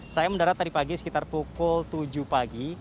saya mendarat tadi pagi sekitar pukul tujuh pagi